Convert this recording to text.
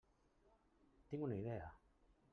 Tinc una idea.